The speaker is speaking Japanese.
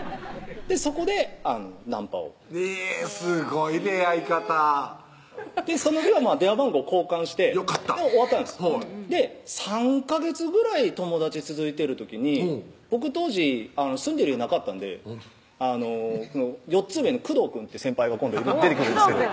そこでナンパをえぇすごい出会い方その日は電話番号交換して終わったんです３ヵ月ぐらい友達続いてる時に僕当時住んでる家なかったんで４つ上の工藤くんって先輩が今度出てくるんですけど